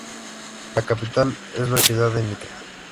La capital es la ciudad de Nitra.